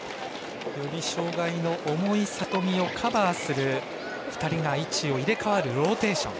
より障がいの重い里見をカバーする２人が位置を入れ代わるローテーション。